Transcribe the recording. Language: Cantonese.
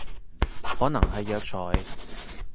可能係藥材